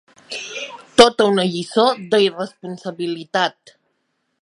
Tota una lliçó d’irresponsabilitat.